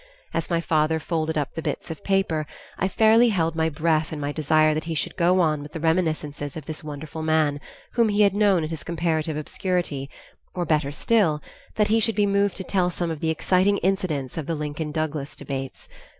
As my father folded up the bits of paper I fairly held my breath in my desire that he should go on with the reminiscence of this wonderful man, whom he had known in his comparative obscurity, or better still, that he should be moved to tell some of the exciting incidents of the Lincoln Douglas debates.